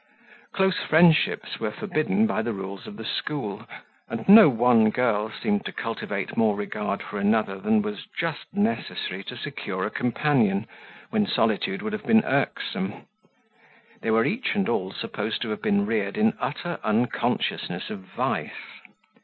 Close friendships were forbidden by the rules of the school, and no one girl seemed to cultivate more regard for another than was just necessary to secure a companion when solitude would have been irksome. They were each and all supposed to have been reared in utter unconsciousness of vice.